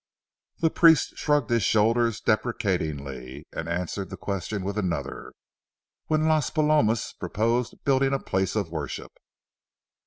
The priest shrugged his shoulders deprecatingly and answered the question with another,—when Las Palomas proposed building a place of worship.